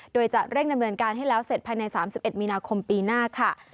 โดยจะเร่งดำเนินการให้แล้วเสร็จภายใน๓๑มีนาคมปีหน้าค่ะ